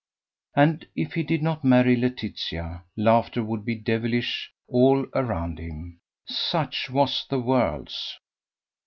And if he did not marry Laetitia, laughter would be devilish all around him such was the world's!